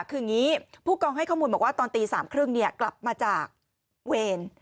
คือยังงี้ผู้กองให้ข้อมูลบอกว่าตอนตีสามครึ่งเนี่ยกลับมาจากเวร